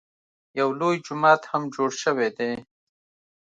یو لوی جومات هم جوړ شوی دی.